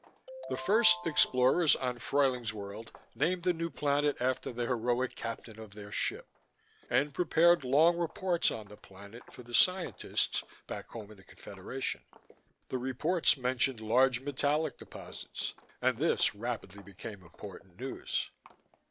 ... The first explorers on Fruyling's World named the new planet after the heroic captain of their ship, and prepared long reports on the planet for the scientists back home in the Confederation. The reports mentioned large metallic deposits, and this rapidly became important news.